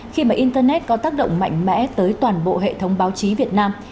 khi mà internet có tác động mạnh mẽ tới toàn bộ hệ thống báo chí việt nam